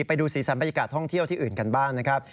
ไปดูสีสันบรรยากาศท่องเที่ยวที่อื่นกันบ้างนะครับ